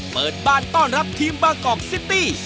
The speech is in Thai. เปิดบ้านต้อนรับทีมบางกอกซิตี้